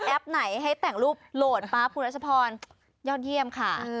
ไหนให้แต่งรูปโหลดป๊าบคุณรัชพรยอดเยี่ยมค่ะ